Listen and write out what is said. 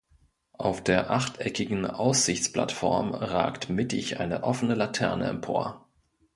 Auf der achteckigen Aussichtsplattform ragt mittig eine offene Laterne empor.